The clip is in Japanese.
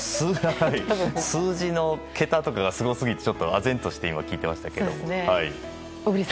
数字の桁とかがすごすぎてあぜんとして聞いていましたが。